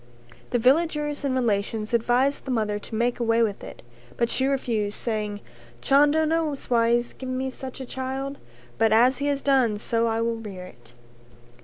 The villagers and relations advised the mother to make away with it, but she refused saying "Chando knows why he has given me such a child, but as he has done so I will rear it."